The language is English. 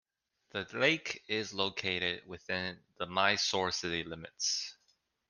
The lake is located within the Mysore city limits.